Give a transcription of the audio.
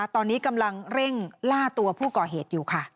ตอนนี้กำลังเร่งล่าตัวผู้ก่อเหตุอยู่ค่ะ